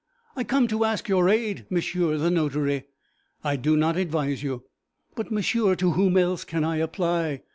'I come to ask your aid, monsieur the notary.' 'I do not advise you.' 'But, monsieur, to whom else can I apply?'